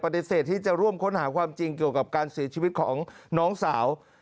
ที่จะร่วมค้นหาความจริงเกี่ยวกับการเสียชีวิตของน้องสาว